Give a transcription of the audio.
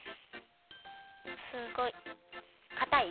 すごい。かたい？